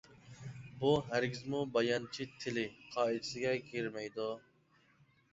بۇ ھەرگىزمۇ «بايانچى تىلى» قائىدىسىگە كىرمەيدۇ.